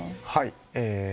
はい。